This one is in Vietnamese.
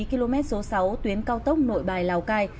km số sáu tuyến cao tốc nội bài lào cai